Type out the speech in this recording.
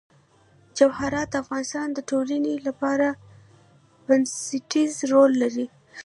جواهرات د افغانستان د ټولنې لپاره بنسټيز رول لري.